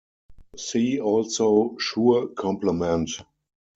See also Schur complement.